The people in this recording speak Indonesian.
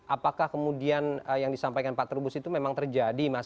apakah kemudian yang disampaikan pak trubus itu memang terjadi mas